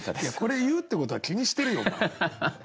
いやこれ言うってことは気にしてるよお前。